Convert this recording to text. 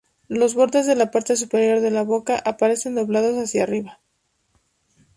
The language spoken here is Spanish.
Los bordes de la parte superior de la boca aparecen doblados hacia arriba.